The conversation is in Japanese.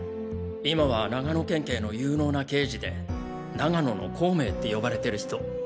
今は長野県警の有能な刑事で長野の孔明って呼ばれてる人。